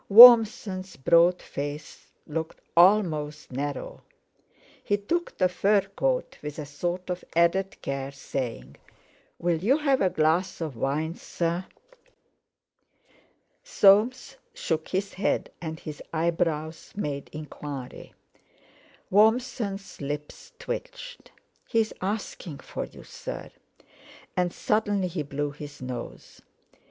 Warmson's broad face looked almost narrow; he took the fur coat with a sort of added care, saying: "Will you have a glass of wine, sir?" Soames shook his head, and his eyebrows made enquiry. Warmson's lips twitched. "He's asking for you, sir;" and suddenly he blew his nose.